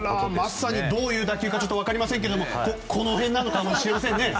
まさにどういう打球か分かりませんがこの辺なのかもしれませんね。